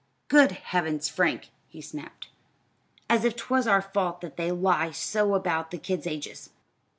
"Good heavens, Frank," he snapped; "as if 'twas our fault that they lie so about the kids' ages!